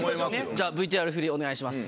じゃあＶＴＲふりお願いします。